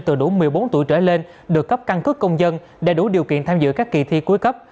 từ đủ một mươi bốn tuổi trở lên được cấp căn cước công dân để đủ điều kiện tham dự các kỳ thi cuối cấp